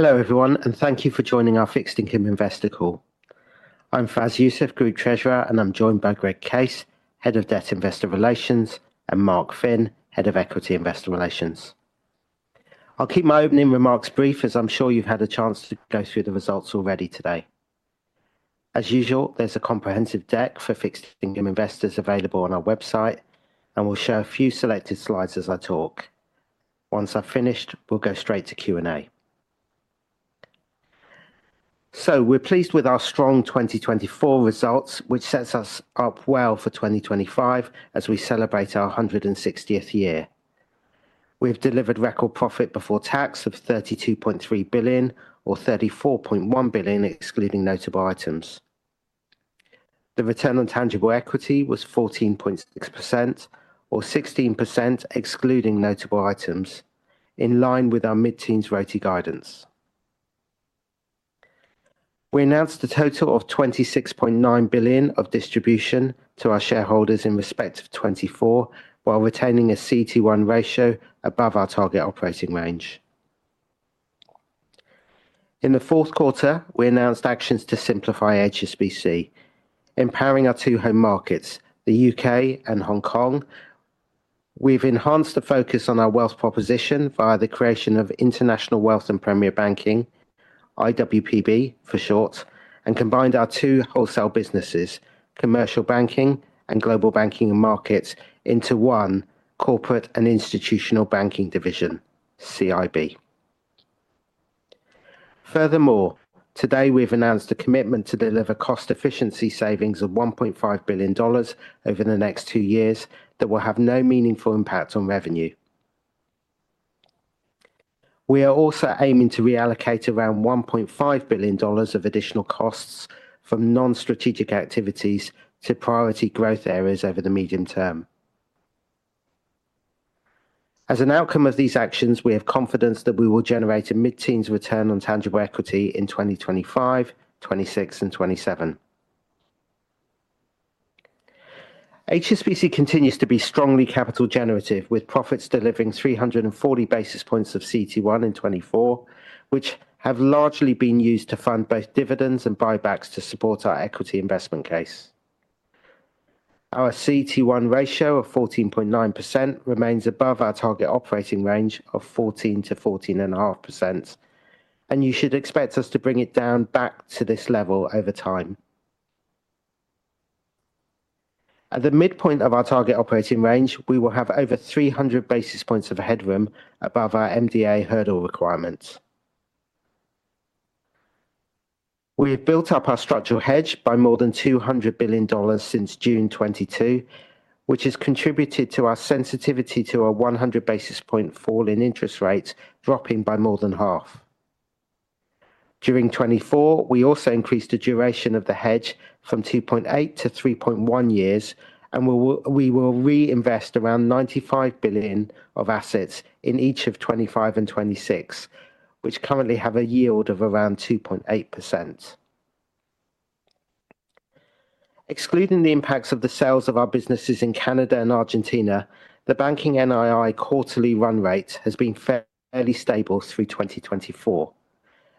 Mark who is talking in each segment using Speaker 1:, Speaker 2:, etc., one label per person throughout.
Speaker 1: Hello everyone, and thank you for joining our Fixed Income Investor Call. I'm Fas Yousaf, Group Treasurer, and I'm joined by Greg Case, Head of Debt Investor Relations, and Mark Phin, Head of Equity Investor Relations. I'll keep my opening remarks brief, as I'm sure you've had a chance to go through the results already today. As usual, there's a comprehensive deck for fixed income investors available on our website, and we'll share a few selected slides as I talk. Once I've finished, we'll go straight to Q&A. So, we're pleased with our strong 2024 results, which sets us up well for 2025 as we celebrate our 160th year. We've delivered record profit before tax of 32.3 billion, or 34.1 billion excluding notable items. The return on tangible equity was 14.6%, or 16% excluding notable items, in line with our mid-teens RoTE guidance. We announced a total of 26.9 billion of distribution to our shareholders in respect of 2024, while retaining a CET1 ratio above our target operating range. In the Q4, we announced actions to simplify HSBC, empowering our two home markets, the U.K. and Hong Kong. We've enhanced the focus on our wealth proposition via the creation of International Wealth and Premier Banking, IWPB for short, and combined our two wholesale businesses, Commercial Banking and Global Banking and Markets, into one Corporate and Institutional Banking Division, CIB. Furthermore, today we've announced a commitment to deliver cost efficiency savings of $1.5 billion over the next two years that will have no meaningful impact on revenue. We are also aiming to reallocate around $1.5 billion of additional costs from non-strategic activities to priority growth areas over the medium term. As an outcome of these actions, we have confidence that we will generate a mid-teens return on tangible equity in 2025, 2026, and 2027. HSBC continues to be strongly capital generative, with profits delivering 340 basis points of CET1 in 2024, which have largely been used to fund both dividends and buybacks to support our equity investment case. Our CET 1 ratio of 14.9% remains above our target operating range of 14%-14.5%, and you should expect us to bring it down back to this level over time. At the midpoint of our target operating range, we will have over 300 basis points of headroom above our MDA hurdle requirements. We have built up our structural hedge by more than $200 billion since June 2022, which has contributed to our sensitivity to a 100 basis point fall in interest rates, dropping by more than half. During 2024, we also increased the duration of the hedge from 2.8 to 3.1 years, and we will reinvest around $95 billion of assets in each of 2025 and 2026, which currently have a yield of around 2.8%. Excluding the impacts of the sales of our businesses in Canada and Argentina, the banking NII quarterly run rate has been fairly stable through 2024,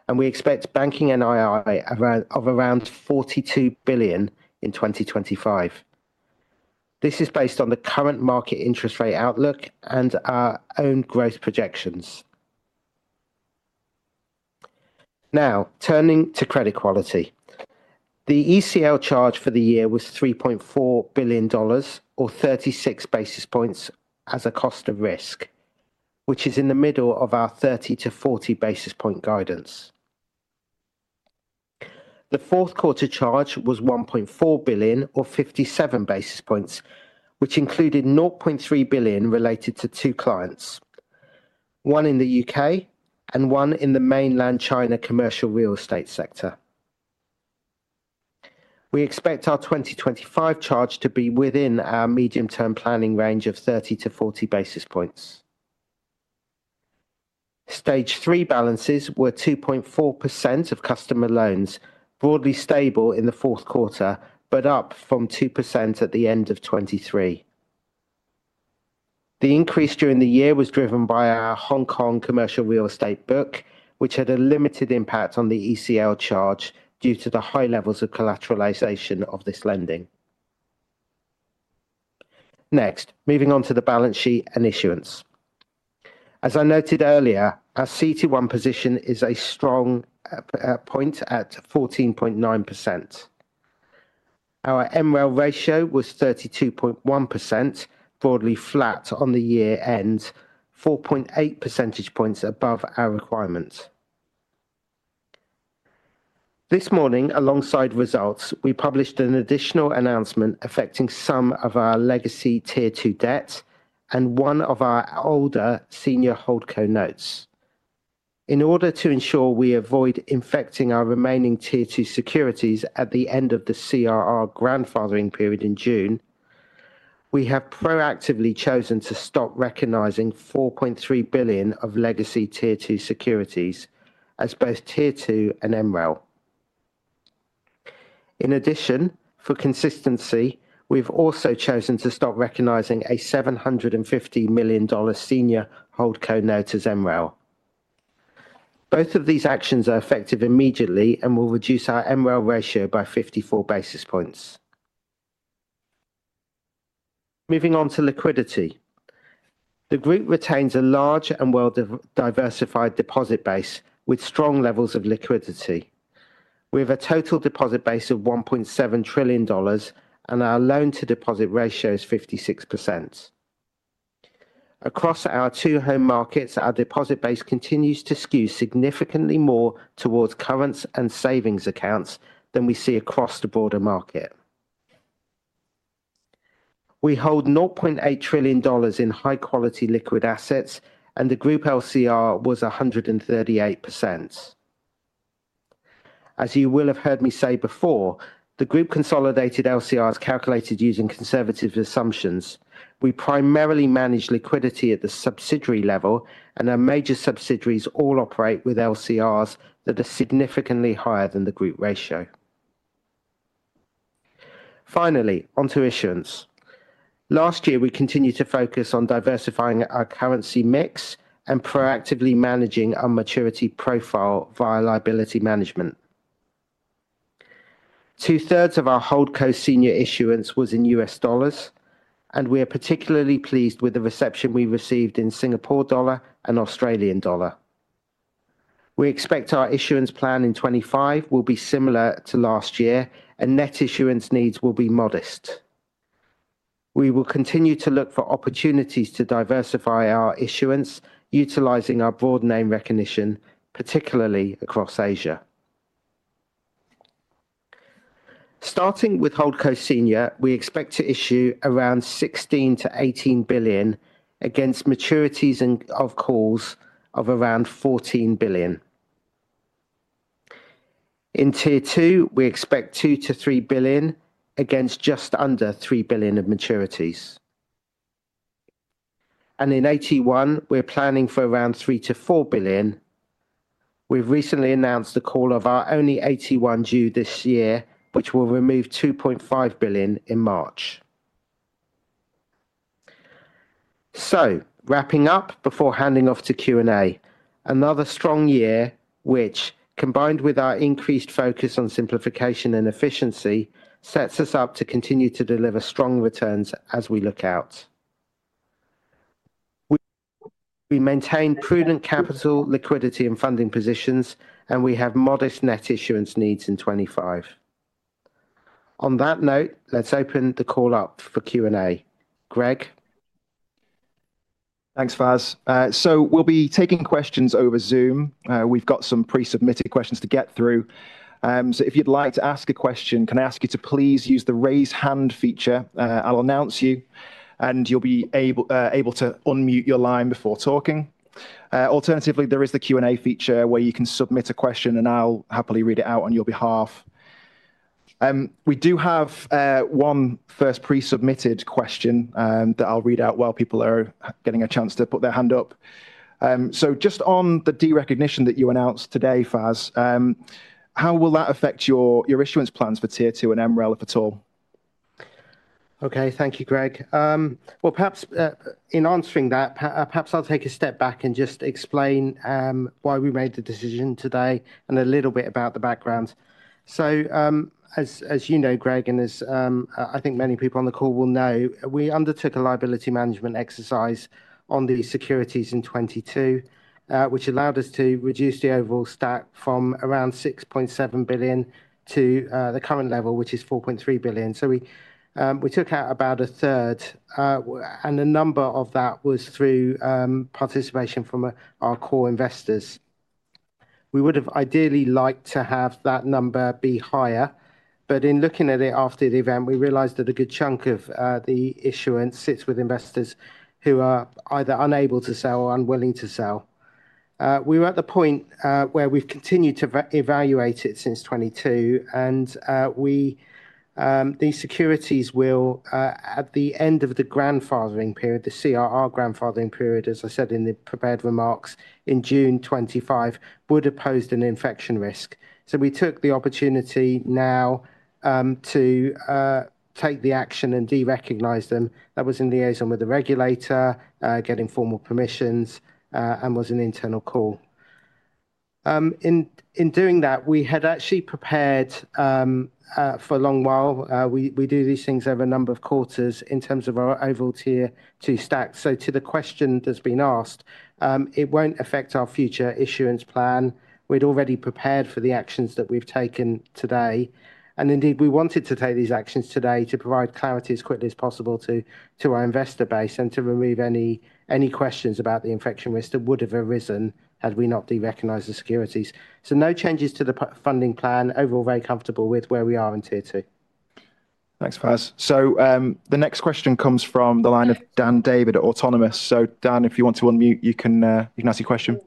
Speaker 1: and we expect banking NII of around $42 billion in 2025. This is based on the current market interest rate outlook and our own growth projections. Now, turning to credit quality. The ECL charge for the year was $3.4 billion, or 36 basis points as a cost of risk, which is in the middle of our 30-40 basis points guidance. The Q4 charge was $1.4 billion, or 57 basis points, which included $0.3 billion related to two clients, one in the U.K. and one in the Mainland China commercial real estate sector. We expect our 2025 charge to be within our medium-term planning range of 30-40 basis points. Stage 3 balances were 2.4% of customer loans, broadly stable in the Q4, but up from 2% at the end of 2023. The increase during the year was driven by our Hong Kong commercial real estate book, which had a limited impact on the ECL charge due to the high levels of collateralization of this lending. Next, moving on to the balance sheet and issuance. As I noted earlier, our CET1 position is a strong point at 14.9%. Our MREL ratio was 32.1%, broadly flat on the year-end, 4.8 percentage points above our requirement. This morning, alongside results, we published an additional announcement affecting some of our legacy Tier 2 debt and one of our older senior holdco notes. In order to ensure we avoid infecting our remaining Tier 2 securities at the end of the CRR grandfathering period in June, we have proactively chosen to stop recognizing $4.3 billion of legacy Tier 2 securities as both Tier 2 and MREL. In addition, for consistency, we've also chosen to stop recognizing a $750 million senior holdco note as MREL. Both of these actions are effective immediately and will reduce our MREL ratio by 54 basis points. Moving on to liquidity. The group retains a large and well-diversified deposit base with strong levels of liquidity. We have a total deposit base of $1.7 trillion, and our loan-to-deposit ratio is 56%. Across our two home markets, our deposit base continues to skew significantly more towards current and savings accounts than we see across the broader market. We hold $0.8 trillion in high-quality liquid assets, and the group LCR was 138%. As you will have heard me say before, the group consolidated LCRs calculated using conservative assumptions. We primarily manage liquidity at the subsidiary level, and our major subsidiaries all operate with LCRs that are significantly higher than the group ratio. Finally, onto issuance. Last year, we continued to focus on diversifying our currency mix and proactively managing our maturity profile via liability management. Two-thirds of our holdco senior issuance was in U.S. dollars, and we are particularly pleased with the reception we received in Singapore dollar and Australian dollar. We expect our issuance plan in 2025 will be similar to last year, and net issuance needs will be modest. We will continue to look for opportunities to diversify our issuance, utilizing our broad name recognition, particularly across Asia. Starting with holdco senior, we expect to issue around $16-$18 billion against maturities and calls of around $14 billion. In Tier 2, we expect $2-$3 billion against just under $3 billion of maturities. And in AT1, we're planning for around $3-$4 billion. We've recently announced a call of our only AT1 due this year, which will remove $2.5 billion in March. Wrapping up before handing off to Q&A. Another strong year, which, combined with our increased focus on simplification and efficiency, sets us up to continue to deliver strong returns as we look out. We maintain prudent capital, liquidity, and funding positions, and we have modest net issuance needs in 2025. On that note, let's open the call up for Q&A. Greg?
Speaker 2: Thanks, Fas. So, we'll be taking questions over Zoom. We've got some pre-submitted questions to get through. So, if you'd like to ask a question, can I ask you to please use the raise hand feature? I'll announce you, and you'll be able to unmute your line before talking. Alternatively, there is the Q&A feature where you can submit a question, and I'll happily read it out on your behalf. We do have one first pre-submitted question that I'll read out while people are getting a chance to put their hand up. So, just on the derecognition that you announced today, Fas, how will that affect your issuance plans for Tier 2 and MREL, if at all?
Speaker 1: Okay, thank you, Greg. Well, perhaps in answering that, perhaps I'll take a step back and just explain why we made the decision today and a little bit about the background. So, as you know, Greg, and as I think many people on the call will know, we undertook a liability management exercise on the securities in 2022, which allowed us to reduce the overall stack from around $6.7 billion to the current level, which is $4.3 billion. So, we took out about a third, and a number of that was through participation from our core investors. We would have ideally liked to have that number be higher, but in looking at it after the event, we realized that a good chunk of the issuance sits with investors who are either unable to sell or unwilling to sell. We were at the point where we've continued to evaluate it since 2022, and these securities will, at the end of the grandfathering period, the CRR grandfathering period, as I said in the prepared remarks, in June 2025, would have posed an infection risk. So, we took the opportunity now to take the action and derecognize them. That was in liaison with the regulator, getting formal permissions, and was an internal call. In doing that, we had actually prepared for a long while. We do these things over a number of quarters in terms of our overall Tier 2 stack. So, to the question that's been asked, it won't affect our future issuance plan. We'd already prepared for the actions that we've taken today. And indeed, we wanted to take these actions today to provide clarity as quickly as possible to our investor base and to remove any questions about the infection risk that would have arisen had we not de-recognized the securities. So, no changes to the funding plan. Overall, very comfortable with where we are in Tier 2.
Speaker 2: Thanks, Fas. So, the next question comes from the line of Dan David at Autonomous. So, Dan, if you want to unmute, you can ask your question.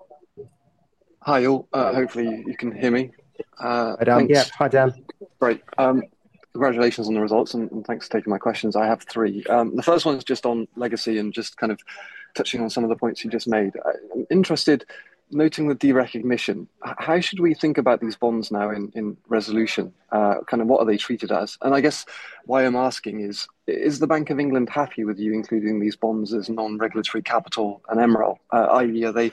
Speaker 3: Hi, Y'all. Hopefully, you can hear me.
Speaker 2: Hi, Dan.
Speaker 1: Hi, Dan.
Speaker 3: Great. Congratulations on the results, and thanks for taking my questions. I have three. The first one's just on legacy and just kind of touching on some of the points you just made. I'm interested, noting the derecognition, how should we think about these bonds now in resolution? Kind of what are they treated as? And I guess why I'm asking is, is the Bank of England happy with you including these bonds as non-regulatory capital and MREL? Are they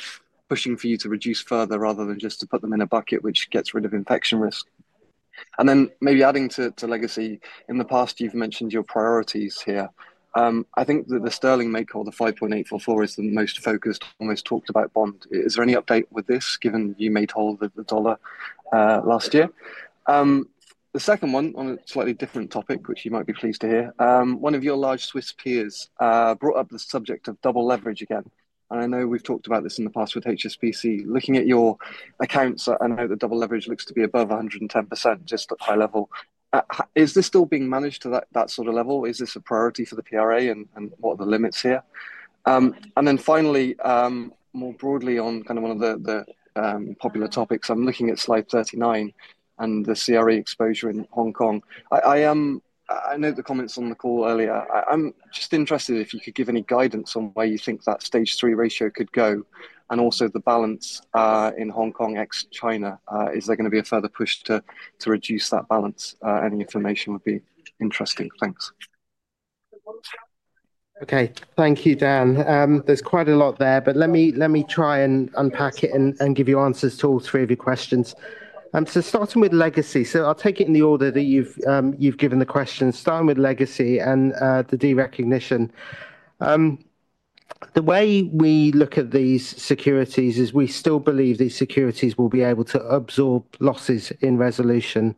Speaker 3: pushing for you to reduce further rather than just to put them in a bucket, which gets rid of infection risk? And then maybe adding to legacy, in the past, you've mentioned your priorities here. I think that the sterling callable, the 5.844, is the most focused, most talked about bond. Is there any update with this, given you called the dollar last year? The second one, on a slightly different topic, which you might be pleased to hear, one of your large Swiss peers brought up the subject of double leverage again. And I know we've talked about this in the past with HSBC. Looking at your accounts, I know the double leverage looks to be above 110%, just at high level. Is this still being managed to that sort of level? Is this a priority for the PRA, and what are the limits here? And then finally, more broadly on kind of one of the popular topics, I'm looking at Slide 39 and the CRE exposure in Hong Kong. I know the comments on the call earlier. I'm just interested if you could give any guidance on where you think that Stage 3 ratio could go, and also the balance in Hong Kong ex China. Is there going to be a further push to reduce that balance? Any information would be interesting. Thanks.
Speaker 1: Okay, thank you, Dan. There's quite a lot there, but let me try and unpack it and give you answers to all three of your questions. So, starting with legacy, so I'll take it in the order that you've given the questions. Starting with legacy and the derecognition. The way we look at these securities is we still believe these securities will be able to absorb losses in resolution.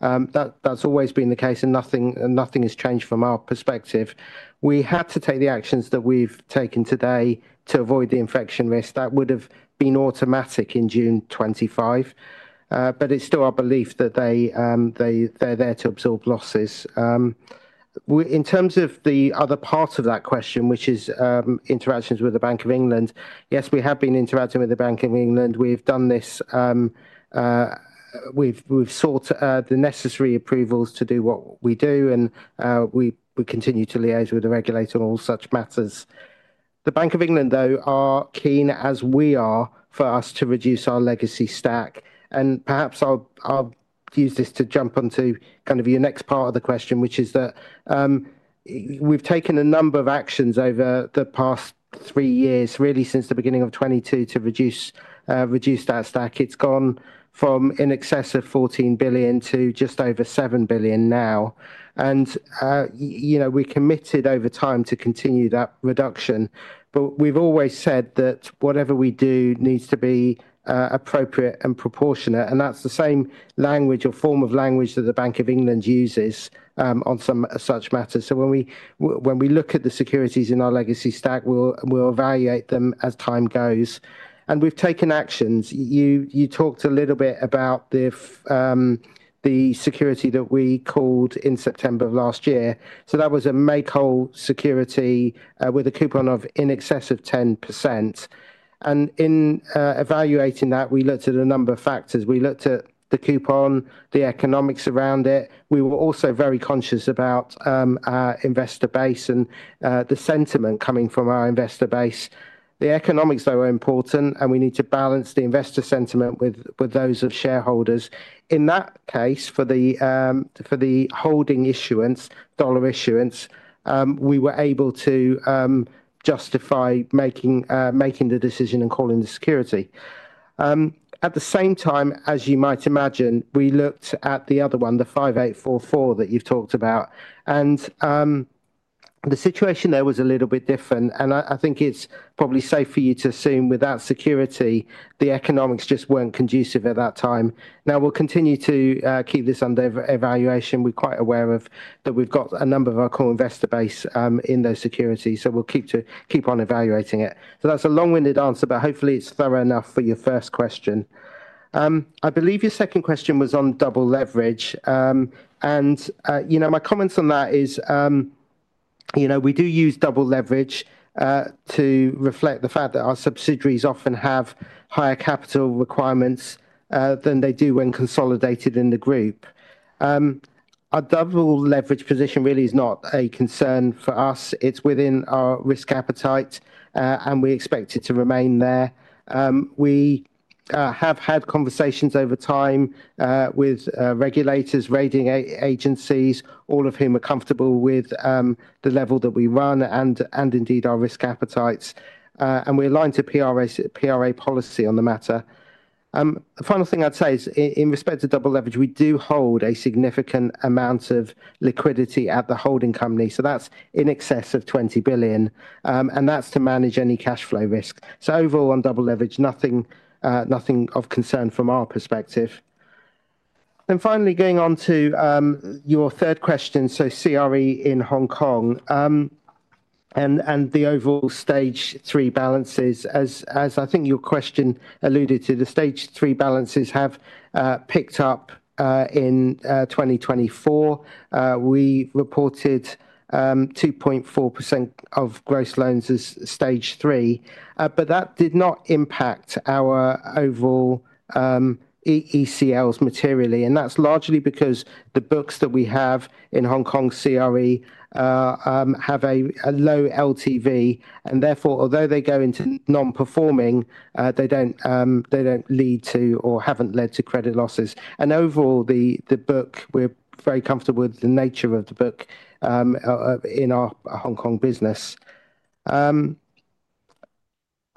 Speaker 1: That's always been the case, and nothing has changed from our perspective. We had to take the actions that we've taken today to avoid the infection risk. That would have been automatic in June 2025, but it's still our belief that they're there to absorb losses. In terms of the other part of that question, which is interactions with the Bank of England, yes, we have been interacting with the Bank of England. We've done this. We've sought the necessary approvals to do what we do, and we continue to liaise with the regulator on all such matters. The Bank of England, though, are keen, as we are, for us to reduce our legacy stack. Perhaps I'll use this to jump onto kind of your next part of the question, which is that we've taken a number of actions over the past three years, really since the beginning of 2022, to reduce that stack. It's gone from in excess of $14 billion to just over $7 billion now. We committed over time to continue that reduction, but we've always said that whatever we do needs to be appropriate and proportionate. That's the same language or form of language that the Bank of England uses on some such matters. When we look at the securities in our legacy stack, we'll evaluate them as time goes. We've taken actions. You talked a little bit about the security that we called in September of last year. That was a May call security with a coupon of in excess of 10%. In evaluating that, we looked at a number of factors. We looked at the coupon, the economics around it. We were also very conscious about our investor base and the sentiment coming from our investor base. The economics, though, are important, and we need to balance the investor sentiment with those of shareholders. In that case, for the holding issuance, dollar issuance, we were able to justify making the decision and calling the security. At the same time, as you might imagine, we looked at the other one, the 5844 that you've talked about. The situation there was a little bit different. I think it's probably safe for you to assume without security, the economics just weren't conducive at that time. Now, we'll continue to keep this under evaluation. We're quite aware of that we've got a number of our core investor base in those securities, so we'll keep on evaluating it. That's a long-winded answer, but hopefully, it's thorough enough for your first question. I believe your second question was on double leverage. My comments on that is we do use double leverage to reflect the fact that our subsidiaries often have higher capital requirements than they do when consolidated in the group. Our double leverage position really is not a concern for us. It's within our risk appetite, and we expect it to remain there. We have had conversations over time with regulators, rating agencies, all of whom are comfortable with the level that we run and indeed our risk appetites, and we're aligned to PRA policy on the matter. The final thing I'd say is, in respect to double leverage, we do hold a significant amount of liquidity at the holding company, so that's in excess of $20 billion, and that's to manage any cash flow risk, so overall, on double leverage, nothing of concern from our perspective, and finally, going on to your third question, so CRE in Hong Kong and the overall Stage 3 balances, as I think your question alluded to, the Stage 3 balances have picked up in 2024. We reported 2.4% of gross loans as Stage 3, but that did not impact our overall ECLs materially. And that's largely because the books that we have in Hong Kong CRE have a low LTV. And therefore, although they go into non-performing, they don't lead to or haven't led to credit losses. And overall, the book, we're very comfortable with the nature of the book in our Hong Kong business. I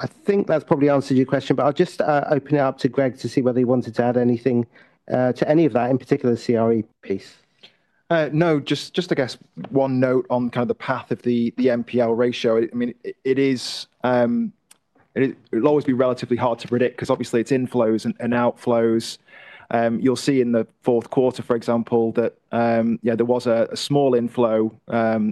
Speaker 1: think that's probably answered your question, but I'll just open it up to Greg to see whether he wanted to add anything to any of that, in particular the CRE piece.
Speaker 2: No, just I guess one note on kind of the path of the NPL ratio. I mean, it'll always be relatively hard to predict because obviously, it's inflows and outflows. You'll see in the Q4, for example, that there was a small inflow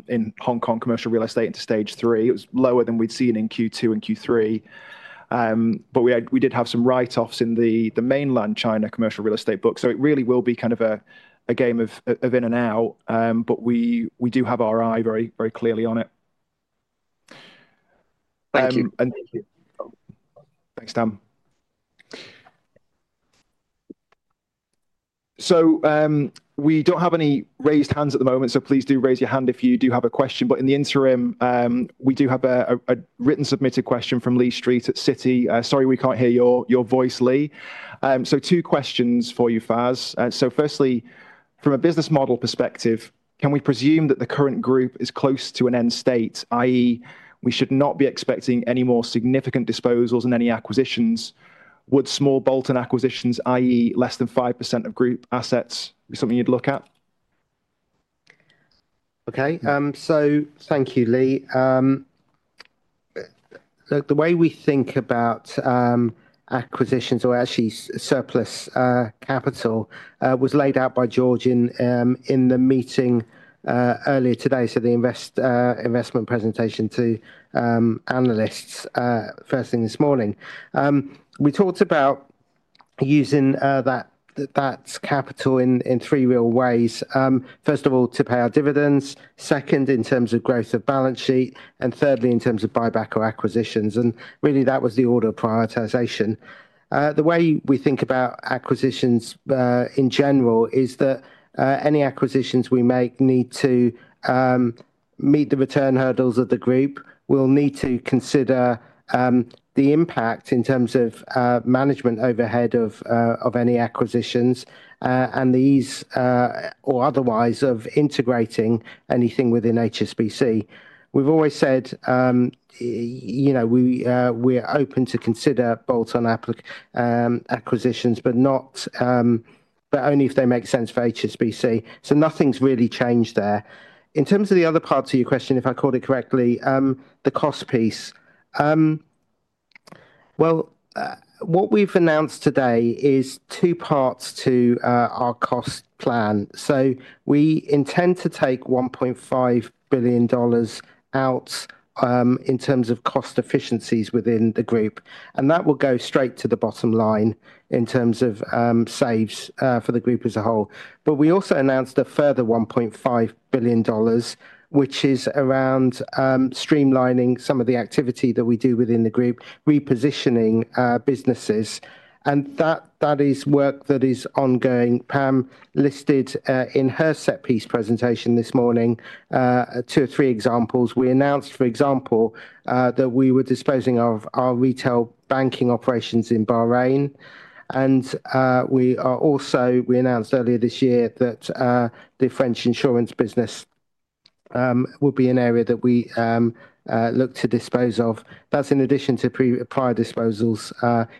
Speaker 2: in Hong Kong commercial real estate into Stage 3. It was lower than we'd seen in Q2 and Q3. But we did have some write-offs in the Mainland China commercial real estate book. So, it really will be kind of a game of in and out, but we do have our eye very clearly on it.
Speaker 1: Thank you.
Speaker 2: Thanks, Dan. So, we don't have any raised hands at the moment, so please do raise your hand if you do have a question. But in the interim, we do have a written submitted question from Lee Street at Citi. Sorry, we can't hear your voice, Lee. So, two questions for you, Fas. So, firstly, from a business model perspective, can we presume that the current group is close to an end state, i.e., we should not be expecting any more significant disposals and any acquisitions? Would small bolt-in acquisitions, i.e., less than 5% of group assets, be something you'd look at?
Speaker 1: Okay, so thank you, Lee. Look, the way we think about acquisitions or actually surplus capital was laid out by George in the meeting earlier today, so the investment presentation to analysts first thing this morning. We talked about using that capital in three real ways. First of all, to pay our dividends. Second, in terms of growth of balance sheet. And thirdly, in terms of buyback or acquisitions. And really, that was the order of prioritization. The way we think about acquisitions in general is that any acquisitions we make need to meet the return hurdles of the group. We'll need to consider the impact in terms of management overhead of any acquisitions and these or otherwise of integrating anything within HSBC. We've always said we're open to consider bolt-on acquisitions, but only if they make sense for HSBC. So, nothing's really changed there. In terms of the other part of your question, if I caught it correctly, the cost piece. What we've announced today is two parts to our cost plan. We intend to take $1.5 billion out in terms of cost efficiencies within the group. That will go straight to the bottom line in terms of saves for the group as a whole. We also announced a further $1.5 billion, which is around streamlining some of the activity that we do within the group, repositioning businesses. That is work that is ongoing. Pam listed in her set piece presentation this morning two or three examples. We announced, for example, that we were disposing of our retail banking operations in Bahrain. We announced earlier this year that the French insurance business would be an area that we look to dispose of. That's in addition to prior disposals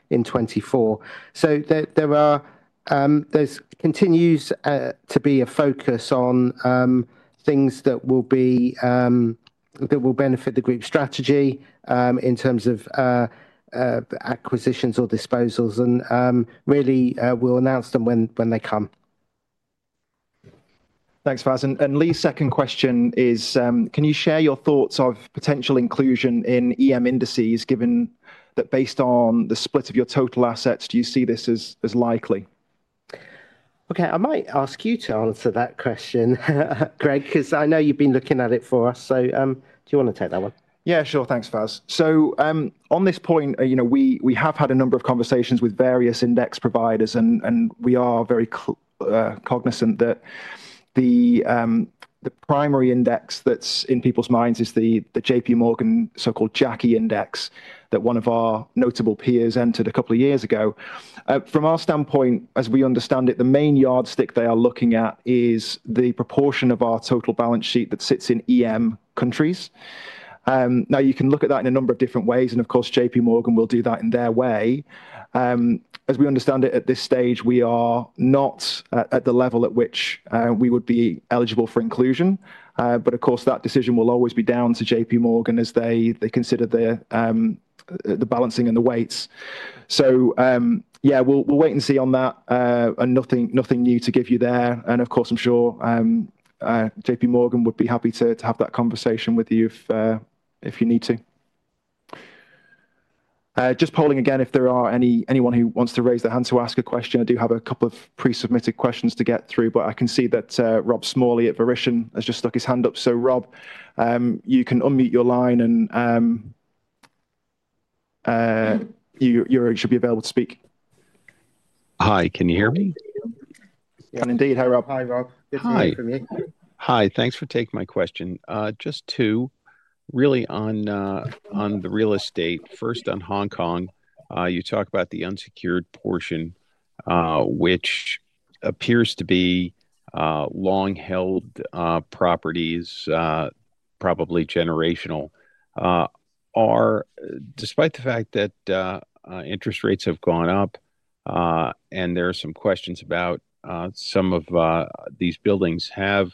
Speaker 1: in 2024. So, there continues to be a focus on things that will benefit the group strategy in terms of acquisitions or disposals. And really, we'll announce them when they come.
Speaker 2: Thanks, Fas. And Lee's second question is, can you share your thoughts on potential inclusion in EM indices, given that based on the split of your total assets, do you see this as likely?
Speaker 1: Okay, I might ask you to answer that question, Greg, because I know you've been looking at it for us. So, do you want to take that one?
Speaker 2: Yeah, sure. Thanks, Fas. So, on this point, we have had a number of conversations with various index providers, and we are very cognizant that the primary index that's in people's minds is the JPMorgan so-called JACI index that one of our notable peers entered a couple of years ago. From our standpoint, as we understand it, the main yardstick they are looking at is the proportion of our total balance sheet that sits in EM countries. Now, you can look at that in a number of different ways, and of course, J.P. Morgan will do that in their way. As we understand it at this stage, we are not at the level at which we would be eligible for inclusion. But of course, that decision will always be down to J.P. Morgan as they consider the balancing and the weights. So, yeah, we'll wait and see on that. Nothing new to give you there. Of course, I'm sure J.P. Morgan would be happy to have that conversation with you if you need to. Just polling again if there are anyone who wants to raise their hand to ask a question. I do have a couple of pre-submitted questions to get through, but I can see that Rob Smalley at Verition has just stuck his hand up. So, Rob, you can unmute your line, and you should be available to speak.
Speaker 3: Hi, can you hear me?
Speaker 1: Yeah, indeed. Hi, Rob.
Speaker 3: Hi, Rob. Good to hear from you. Hi, thanks for taking my question. Just two, really on the real estate. First, on Hong Kong, you talk about the unsecured portion, which appears to be long-held properties, probably generational. Despite the fact that interest rates have gone up, and there are some questions about some of these buildings, have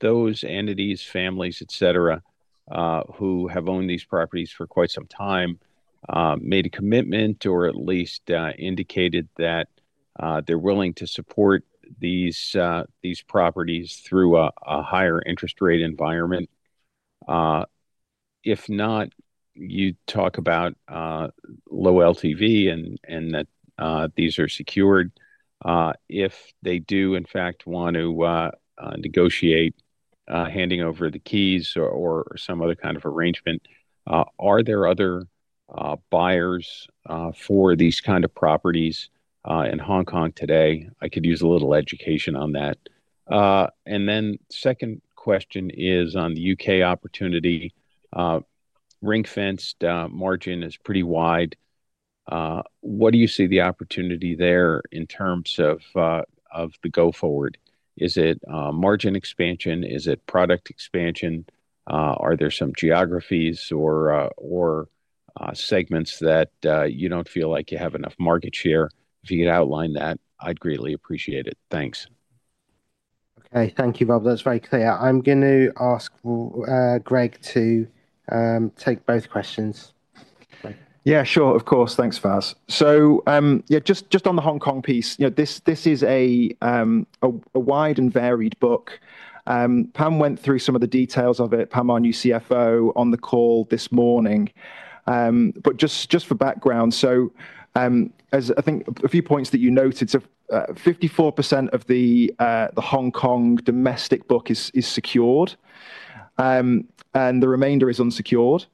Speaker 3: those entities, families, etc., who have owned these properties for quite some time made a commitment or at least indicated that they're willing to support these properties through a higher interest rate environment? If not, you talk about low LTV and that these are secured. If they do, in fact, want to negotiate handing over the keys or some other kind of arrangement, are there other buyers for these kind of properties in Hong Kong today? I could use a little education on that. Then second question is on the U.K. opportunity. Ring-fenced margin is pretty wide. What do you see the opportunity there in terms of the go-forward? Is it margin expansion? Is it product expansion? Are there some geographies or segments that you don't feel like you have enough market share? If you could outline that, I'd greatly appreciate it. Thanks.
Speaker 1: Okay, thank you, Rob. That's very clear. I'm going to ask Greg to take both questions.
Speaker 2: Yeah, sure. Of course. Thanks, Fas, so yeah, just on the Hong Kong piece, this is a wide and varied book. Pam went through some of the details of it. Pam, our CFO, on the call this morning, but just for background, so I think a few points that you noted, 54% of the Hong Kong domestic book is secured, and the remainder is unsecured.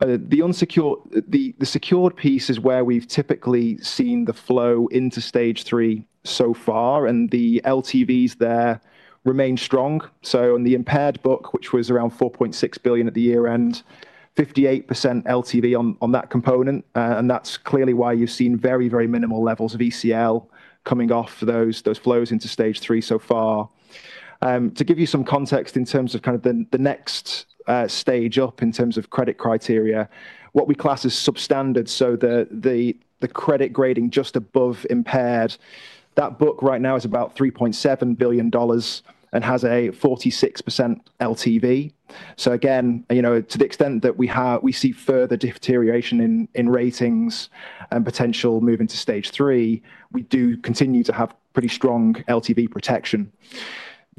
Speaker 2: The secured piece is where we've typically seen the flow into Stage 3 so far, and the LTVs there remain strong, so on the impaired book, which was around $4.6 billion at the year-end, 58% LTV on that component, and that's clearly why you've seen very, very minimal levels of ECL coming off those flows into Stage 3 so far. To give you some context in terms of kind of the next stage up in terms of credit criteria, what we class as substandard, so the credit grading just above impaired, that book right now is about $3.7 billion and has a 46% LTV. So, again, to the extent that we see further deterioration in ratings and potential moving to Stage 3, we do continue to have pretty strong LTV protection.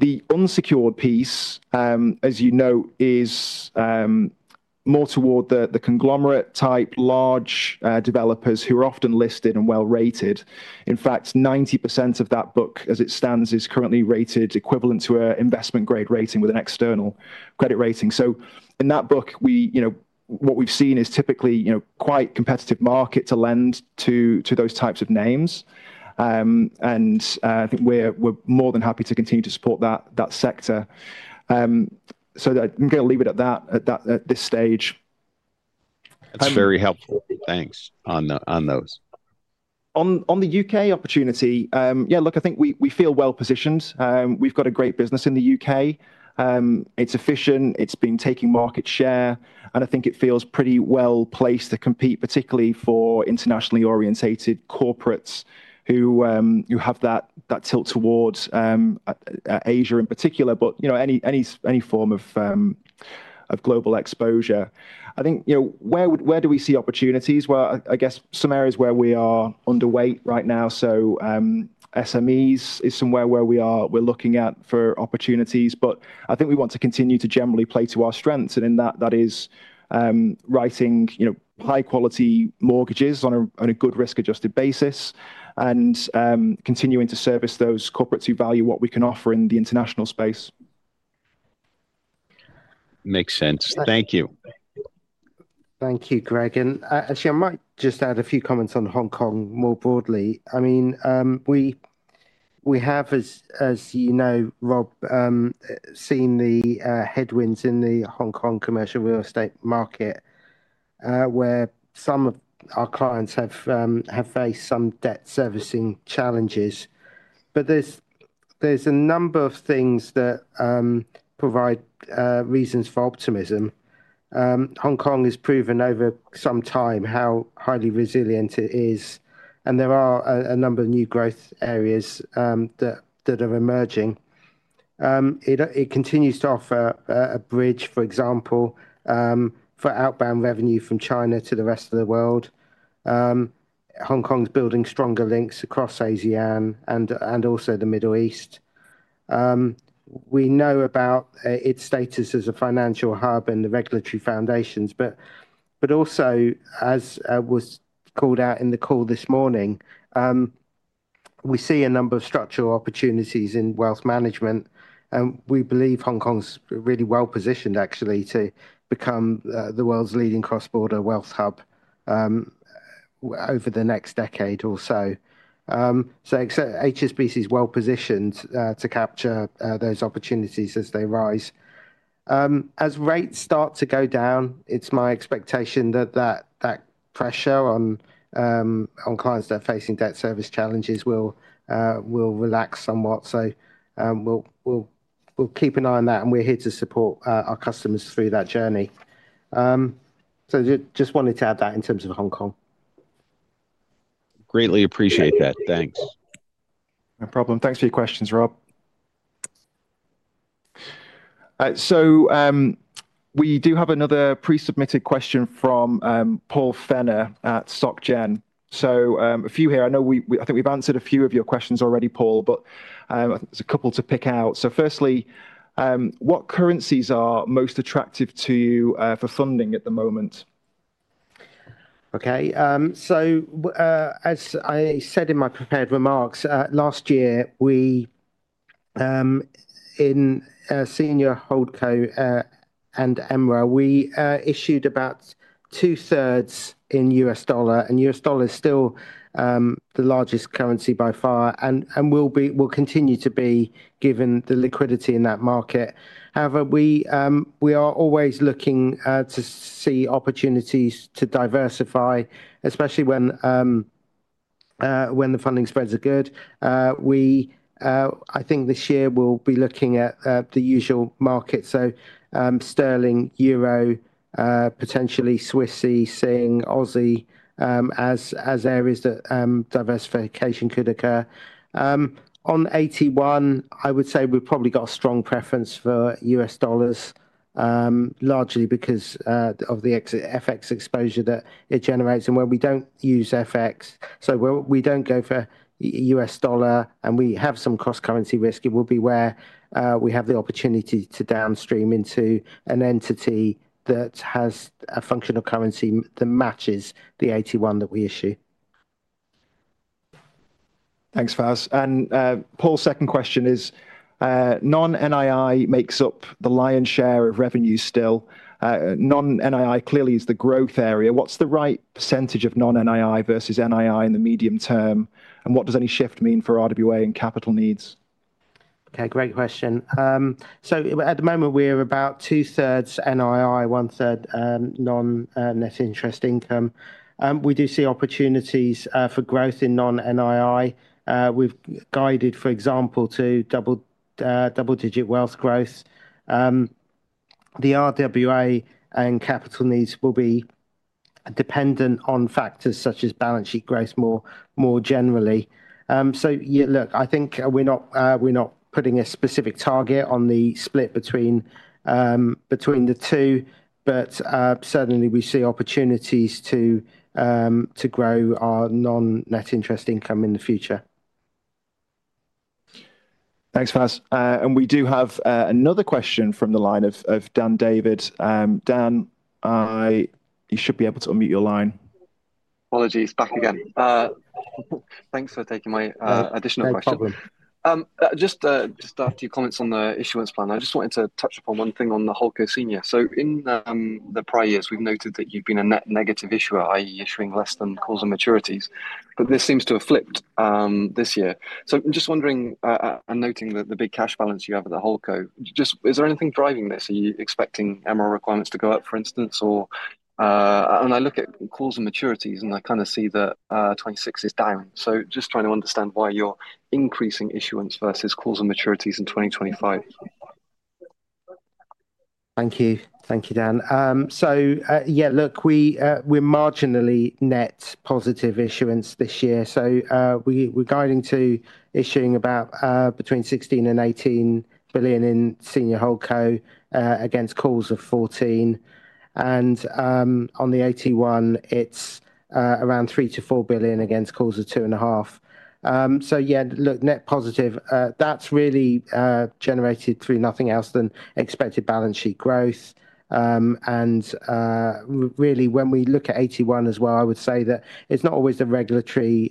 Speaker 2: The unsecured piece, as you know, is more toward the conglomerate-type large developers who are often listed and well-rated. In fact, 90% of that book, as it stands, is currently rated equivalent to an investment-grade rating with an external credit rating. So, in that book, what we've seen is typically quite a competitive market to lend to those types of names, and I think we're more than happy to continue to support that sector. So, I'm going to leave it at that at this stage.
Speaker 3: That's very helpful. Thanks on those.
Speaker 2: On the UK opportunity, yeah, look, I think we feel well-positioned. We've got a great business in the UK. It's efficient. It's been taking market share. And I think it feels pretty well-placed to compete, particularly for internationally orientated corporates who have that tilt towards Asia in particular, but any form of global exposure. I think where do we see opportunities? Well, I guess some areas where we are underweight right now. So, SMEs is somewhere where we're looking at for opportunities. But I think we want to continue to generally play to our strengths. And in that, that is writing high-quality mortgages on a good risk-adjusted basis and continuing to service those corporates who value what we can offer in the international space.
Speaker 3: Makes sense. Thank you.
Speaker 1: Thank you, Greg. And actually, I might just add a few comments on Hong Kong more broadly. I mean, we have, as you know, Rob, seen the headwinds in the Hong Kong commercial real estate market, where some of our clients have faced some debt servicing challenges. But there's a number of things that provide reasons for optimism. Hong Kong has proven over some time how highly resilient it is. And there are a number of new growth areas that are emerging. It continues to offer a bridge, for example, for outbound revenue from China to the rest of the world. Hong Kong's building stronger links across ASEAN and also the Middle East. We know about its status as a financial hub and the regulatory foundations. But also, as was called out in the call this morning, we see a number of structural opportunities in wealth management. We believe Hong Kong's really well-positioned, actually, to become the world's leading cross-border wealth hub over the next decade or so. HSBC is well-positioned to capture those opportunities as they rise. As rates start to go down, it's my expectation that that pressure on clients that are facing debt service challenges will relax somewhat. We'll keep an eye on that, and we're here to support our customers through that journey. Just wanted to add that in terms of Hong Kong.
Speaker 3: Greatly appreciate that. Thanks.
Speaker 2: No problem. Thanks for your questions, Rob. So, we do have another pre-submitted question from Paul Fenner at SocGen. So, a few here. I know I think we've answered a few of your questions already, Paul, but there's a couple to pick out. So, firstly, what currencies are most attractive to you for funding at the moment?
Speaker 1: Okay, so as I said in my prepared remarks, last year, in senior holdco and EMEA, we issued about two-thirds in US dollar. And US dollar is still the largest currency by far and will continue to be given the liquidity in that market. However, we are always looking to see opportunities to diversify, especially when the funding spreads are good. I think this year we'll be looking at the usual markets. So, sterling, euro, potentially Swiss franc, Aussie as areas that diversification could occur. On AT1, I would say we've probably got a strong preference for US dollars, largely because of the FX exposure that it generates. And when we don't use FX, so we don't go for US dollar, and we have some cross-currency risk, it will be where we have the opportunity to downstream into an entity that has a functional currency that matches the AT1 that we issue.
Speaker 2: Thanks, Fas. And Paul's second question is, non-NII makes up the lion's share of revenues still. Non-NII clearly is the growth area. What's the right percentage of non-NII versus NII in the medium term? And what does any shift mean for RWA and capital needs?
Speaker 1: Okay, great question. So, at the moment, we're about two-thirds NII, one-third non-net interest income. We do see opportunities for growth in non-NII. We've guided, for example, to double-digit wealth growth. The RWA and capital needs will be dependent on factors such as balance sheet growth more generally. So, look, I think we're not putting a specific target on the split between the two, but certainly we see opportunities to grow our non-net interest income in the future.
Speaker 2: Thanks, Fas. And we do have another question from the line of Dan David. Dan, you should be able to unmute your line.
Speaker 3: Apologies, back again. Thanks for taking my additional question.
Speaker 1: No problem.h
Speaker 3: Just a few comments on the issuance plan. I just wanted to touch upon one thing on the holdco senior. So, in the prior years, we've noted that you've been a net negative issuer, i.e., issuing less than calls and maturities. But this seems to have flipped this year. So, I'm just wondering and noting the big cash balance you have at the holdco, is there anything driving this? Are you expecting MREL requirements to go up, for instance? And I look at calls and maturities, and I kind of see that 2026 is down. So, just trying to understand why you're increasing issuance versus calls and maturities in 2025.
Speaker 1: Thank you. Thank you, Dan. So, yeah, look, we're marginally net positive issuance this year. So, we're guiding to issuing about between $16 billion and $18 billion in senior holdco against calls of $14 billion. And on the AT1, it's around $3 billion-$4 billion against calls of $2.5 billion. So, yeah, look, net positive. That's really generated through nothing else than expected balance sheet growth. And really, when we look at AT1 as well, I would say that it's not always the regulatory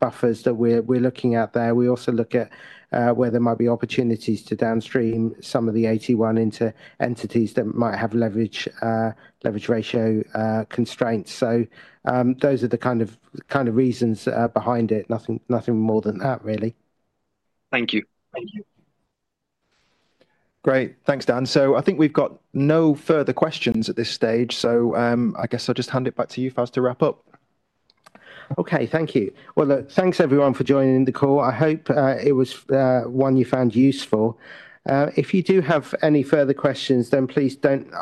Speaker 1: buffers that we're looking at there. We also look at where there might be opportunities to downstream some of the 8AT into entities that might have leverage ratio constraints. So, those are the kind of reasons behind it. Nothing more than that, really.
Speaker 4: Thank you.
Speaker 2: Great. Thanks, Dan. So, I think we've got no further questions at this stage. So, I guess I'll just hand it back to you, Fas, to wrap up.
Speaker 1: Okay, thank you. Well, thanks, everyone, for joining the call. I hope it was one you found useful. If you do have any further questions, then please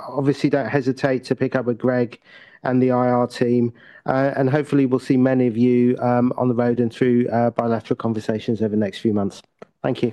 Speaker 1: obviously don't hesitate to pick up with Greg and the IR team. And hopefully, we'll see many of you on the road and through bilateral conversations over the next few months. Thank you.